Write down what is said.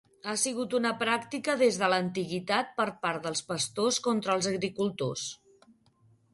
Ha sigut una pràctica des de l'antiguitat per part dels pastors contra els agricultors.